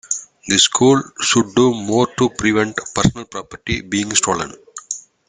The school should do more to prevent personal property being stolen.